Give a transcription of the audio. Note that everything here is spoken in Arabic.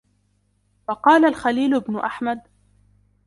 وَقَالَ الْخَلِيلُ بْنُ أَحْمَدَ